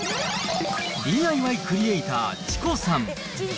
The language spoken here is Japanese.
ＤＩＹクリエーター、チコさん。